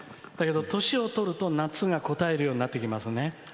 だけど、年をとると夏がこたえるようになってきますね。